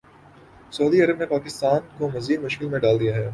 سعودی عرب نے پاکستان کو مزید مشکل میں ڈال دیا ہے